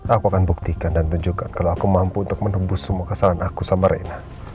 aku akan buktikan dan tunjukkan kalau aku mampu untuk menembus semua kesalahan aku sama reina